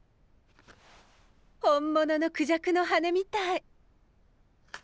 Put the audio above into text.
本物のクジャクの羽根みたい。